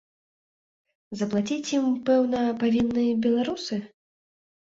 Заплаціць ім, пэўна, павінны беларусы?